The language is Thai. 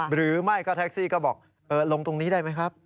หรือไม่ก็แท็กซี่ก็บอกลงตรงนี้ได้ไหมครับ